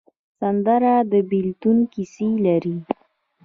سندره د بېلتون کیسې لري